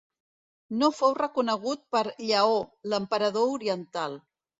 No fou reconegut per Lleó, l'emperador oriental.